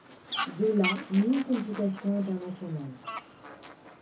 De là mille complications internationales.